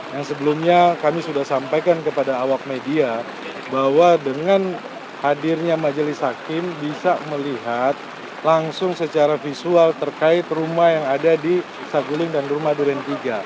yang sebelumnya kami sudah sampaikan kepada awak media bahwa dengan hadirnya majelis hakim bisa melihat langsung secara visual terkait rumah yang ada di saguling dan rumah duren tiga